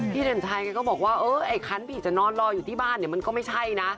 พี่เด่นชัยก็บอกว่าไอ้คั้นพี่จะนอนรออยู่ที่บ้านมันก็ไม่ใช่นะ